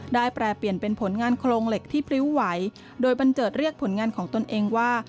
แปรเปลี่ยนเป็นผลงานโครงเหล็กที่พริ้วไหวโดยบันเจิดเรียกผลงานของตนเองว่า